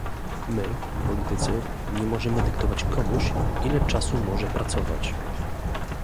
My, politycy, nie możemy dyktować komuś, ile czasu może pracować